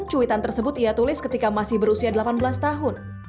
cuitan tersebut ia tulis ketika masih berusia delapan belas tahun